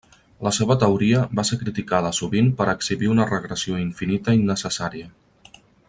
La seva teoria va ser criticada sovint per exhibir una regressió infinita innecessària.